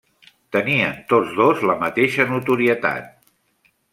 Tenien tots dos la mateixa notorietat.